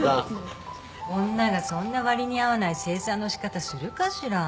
女がそんな割に合わない清算のしかたするかしら？